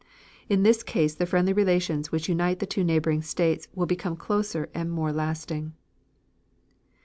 In this case the friendly relations which unite the two neighboring states will become closer and more lasting.